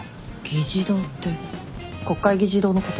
議事堂って国会議事堂のこと？